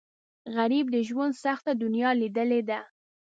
غریب د ژوند سخته دنیا لیدلې ده